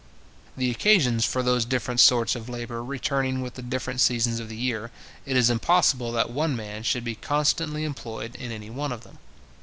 The occasions for those different sorts of labour returning with the different seasons of the year, it is impossible that one man should be constantly employed in any one of them.